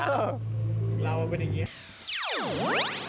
ก็เราเป็นอย่างนี้